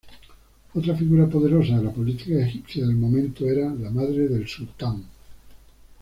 Otra figura poderosa de la política egipcia del momento era la madre del sultán.